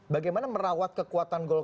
bagaimana merawat kekuatan golkar